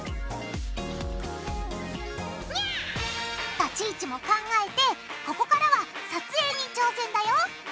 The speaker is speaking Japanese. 立ち位置も考えてここからは撮影に挑戦だよ。